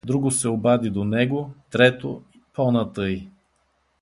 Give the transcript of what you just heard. Друго се обади до него, трето — по-натъй.